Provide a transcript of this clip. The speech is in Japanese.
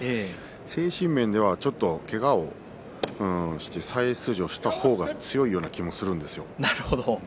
精神面ではけがをして再出場した方が強いような気がするんですよ。